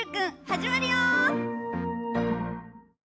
始まるよ！